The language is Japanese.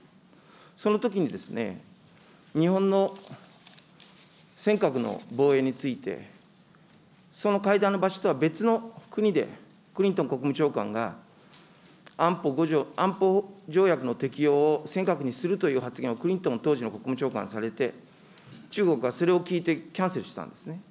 そのときに、日本の尖閣の防衛について、その会談の場所とは別の国で、クリントン国務長官が安保条約の適用を尖閣にするという発言を、クリントン、当時の国務長官がされて、中国がそれを聞いて、キャンセルしたんですね。